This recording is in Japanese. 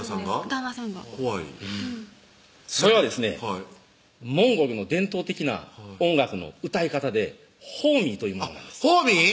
旦那さんが怖いそれはですねモンゴルの伝統的な音楽の歌い方でホーミーというものなんですホーミー？